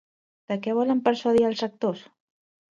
De què volen persuadir als rectors?